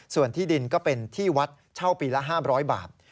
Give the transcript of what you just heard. ส่วนที่ดินก็เป็นที่วัดเช่าปีละ๕๐๐บาท